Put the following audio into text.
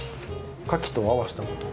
カキと合わしたことは？